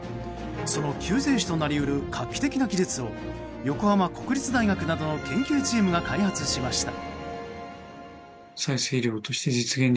その救世主となり得る画期的な技術を横浜国立大学などの研究チームが開発しました。